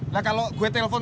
lah kalau gue telepon